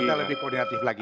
kita lebih koordinatif lagi